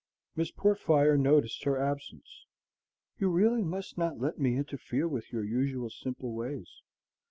Miss Portfire noticed her absence: "You really must not let me interfere with your usual simple ways.